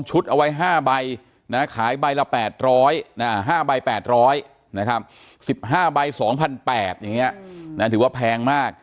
อ๋อเจ้าสีสุข่าวของสิ้นพอได้ด้วย